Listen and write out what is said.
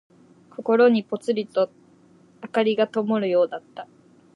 心にぽつりと灯がともるようだった。